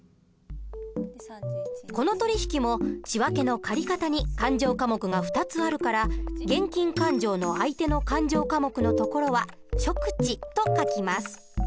この取引も仕訳の借方に勘定科目が２つあるから現金勘定の相手の勘定科目のところは「諸口」と書きます。